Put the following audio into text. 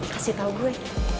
kasih tau gue